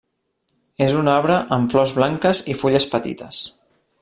És un arbre amb flors blanques i fulles petites.